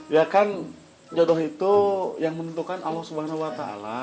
ya kan jodoh itu yang menentukan allah swt